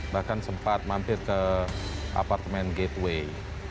bahkan sempat mampir ke apartemen gateway